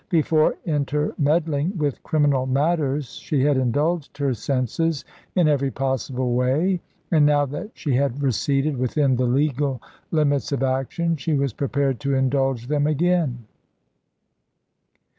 Before intermeddling with criminal matters she had indulged her senses in every possible way, and now that she had receded within the legal limits of action, she was prepared to indulge them again.